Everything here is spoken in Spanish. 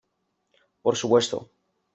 por su puesto.